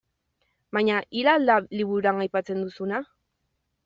Baina hil al da liburuan aipatzen duzun.